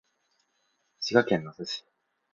滋賀県野洲市